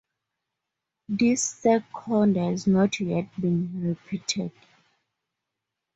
This second has not yet been repeated.